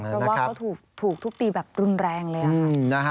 เพราะว่าเขาถูกทุบตีแบบรุนแรงเลยค่ะ